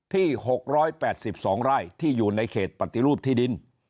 ที่๖๘๒ไร่ที่อยู่ในเขตปฏิรูปที่ดิน